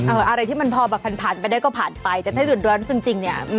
อะไรที่มันพอแบบผ่านผ่านไปได้ก็ผ่านไปแต่ถ้าเดือดร้อนจริงเนี่ย